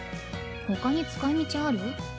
ほかに使い道ある？